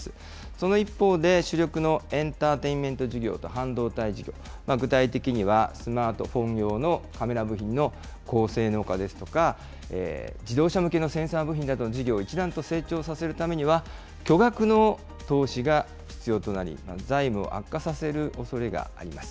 その一方で主力のエンターテインメント事業と半導体事業、具体的には、スマートフォン用のカメラ部品の高性能化ですとか、自動車向けのセンサー部品などの事業を一段と成長させるためには、巨額の投資が必要となり、財務を悪化させるおそれがあります。